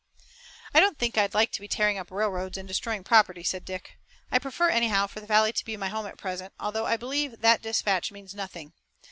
"I don't think I'd like to be tearing up railroads and destroying property," said Dick. "I prefer anyhow for the valley to be my home at present, although I believe that dispatch means nothing.